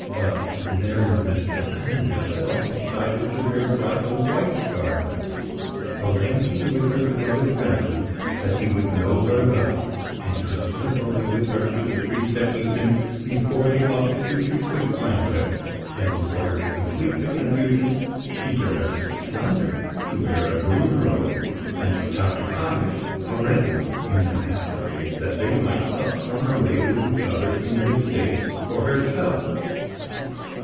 But merry Mistress Anne herself decided to wear bridal white garments, arranging with her beloved Fenton that he would know her thus, and could slip away with her to the priest at Eton before the other suitors could find her; and in order to complete the confusion, she directed Slender to wear a green robe and Dr Caius a red one in the masquerade, that they might thus run away with each other in mistake for herself.